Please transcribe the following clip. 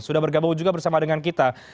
sudah bergabung juga bersama dengan kita